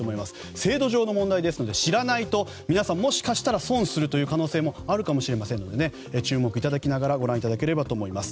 制度上の問題ですので知らないと皆さんもしかしたら損するという可能性もあるかもしれませんので注目いただきながらご覧いただければと思います。